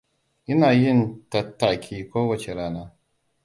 Ina yin tattaki kowace rana.